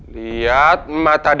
lihat mata daddy